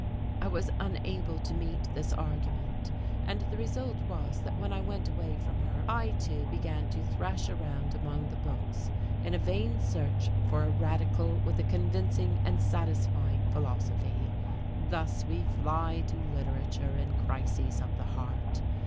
I was unable to meet this argument, and the result was that when I was away from her I too began to "thrash around" among the books in a vain search for a radical with a convincing and satisfying philosophy. Thus we fly to literature in crises of the heart!